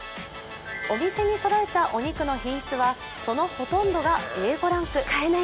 お店にそろえたお肉の品質はそのほとんどがＡ５ランク。